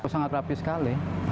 sangat rapi sekali